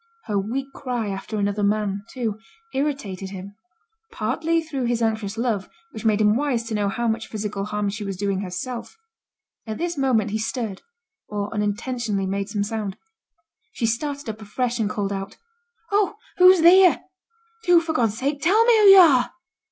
Her weak cry after another man, too, irritated him, partly through his anxious love, which made him wise to know how much physical harm she was doing herself. At this moment he stirred, or unintentionally made some sound: she started up afresh, and called out, 'Oh, who's theere? Do, for God's sake, tell me who yo' are!'